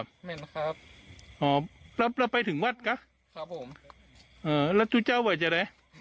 แม่นครับอ๋อแล้วไปถึงวัดกะครับผมเออแล้วตู้เจ้าว่าจะได้